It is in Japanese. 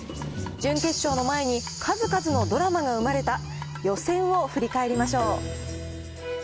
準決勝の前に、数々のドラマが生まれた予選を振り返りましょう。